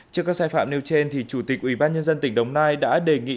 trước các sai phạm nêu trên chủ tịch ủy ban nhân dân tỉnh đồng nai đã đề nghị